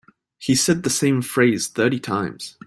He said the same phrase thirty times.